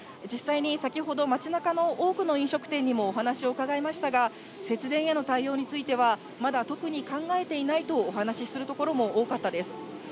実際に先ほど、街なかの多くの飲食店にもお話を伺いましたが、節電への対応については、まだ特に考えていないとお話する所も多かったです。